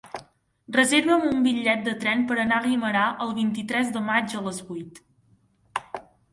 Reserva'm un bitllet de tren per anar a Guimerà el vint-i-tres de maig a les vuit.